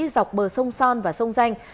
dọc bờ sông son và sông danh